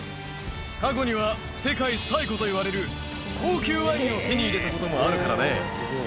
過去には世界最古といわれる高級ワインを手に入れたこともあるからね。